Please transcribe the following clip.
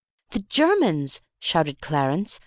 "The Germans!" shouted Clarence.